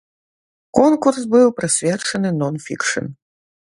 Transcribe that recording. Конкурс быў прысвечаны нон-фікшн.